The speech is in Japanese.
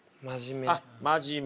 あっ真面目。